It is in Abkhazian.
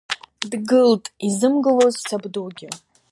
Дгылт изымгылоз сабдугьы…